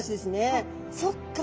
あそっか。